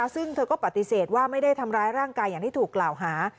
ซึ่งเธอก็ปฏิเสธว่าไม่ได้ทำร้ายร่างกายอย่างที่ถูกกล่าวหา